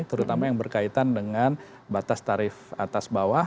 terutama yang berkaitan dengan batas tarif atas bawah